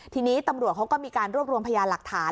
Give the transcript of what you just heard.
ทีนี้ตำรวจเขาก็มีการรวบรวมพยานหลักฐาน